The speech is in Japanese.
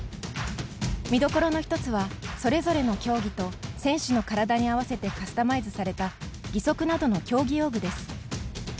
見どころの１つはそれぞれの競技と選手の体に合わせてカスタマイズされた義足などの競技用具です。